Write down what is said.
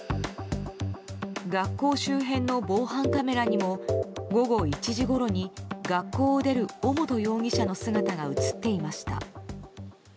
学校周辺の防犯カメラにも午後１時ごろに学校を出る尾本容疑者の姿が映っていました。